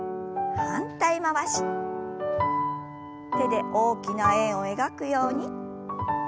手で大きな円を描くように。